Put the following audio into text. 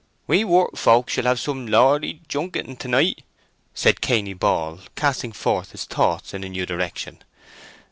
"We workfolk shall have some lordly junketing to night," said Cainy Ball, casting forth his thoughts in a new direction.